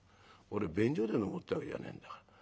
「俺便所で飲もうってわけじゃねえんだから。